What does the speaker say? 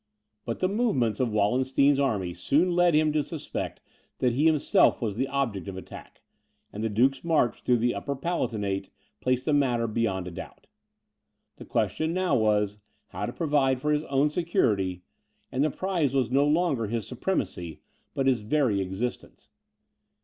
But the movements of Wallenstein's army soon led him to suspect that he himself was the object of attack; and the Duke's march through the Upper Palatinate, placed the matter beyond a doubt. The question now was, how to provide for his own security, and the prize was no longer his supremacy, but his very existence.